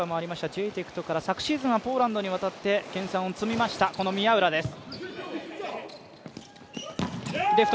ジェイテクトから昨年はポーランドに渡って研さんを積みました、この宮浦です。